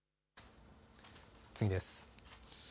次です。